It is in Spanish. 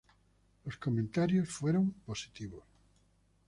Los comentarios fueron positivos.